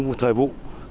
trước thiên nhiên ngay